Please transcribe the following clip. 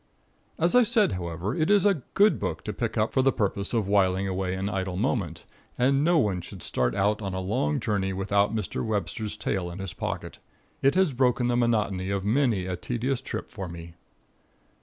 As I said, however, it is a good book to pick up for the purpose of whiling away an idle moment, and no one should start out on a long journey without Mr. Webster's tale in his pocket. It has broken the monotony of many a tedious trip for me.